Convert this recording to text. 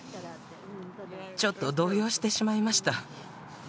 ちょっと動揺してしまいました。